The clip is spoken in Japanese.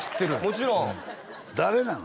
もちろん誰なの？